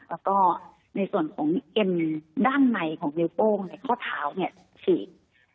แล้วก็ในส่วนของอิ่มด้านในในวันโป้งข้อเท้าเนี่ย